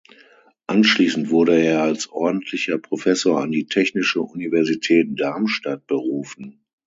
Anschliessend wurde er als Ordentlicher Professor an die Technische Universität Darmstadt berufen.